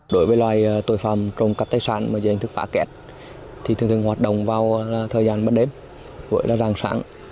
đối với loài tội phạm trồng cắp tài sản mà dành thức phá kết thì thường thường hoạt động vào thời gian mất đếm gọi là ràng sáng